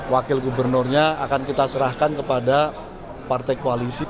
wakil gubernurnya akan kita serahkan kepada partai koalisi